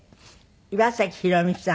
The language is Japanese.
岩崎宏美さん